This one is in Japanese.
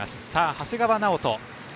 長谷川直人。